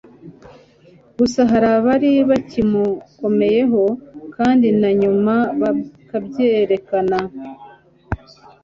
gusa hari abari bakimukomeyeho kandi na nyuma bakabyerekana